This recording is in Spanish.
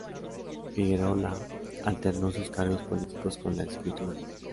Figuerola alternó sus cargos políticos con la escritura.